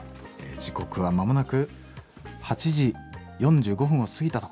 時刻は間もなく８時４５分を過ぎたところ。